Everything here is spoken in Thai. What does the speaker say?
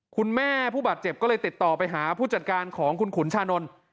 ผู้บาดเจ็บก็เลยติดต่อไปหาผู้จัดการของคุณขุนชานนท์